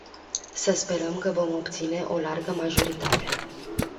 Să sperăm că vom obține o largă majoritate.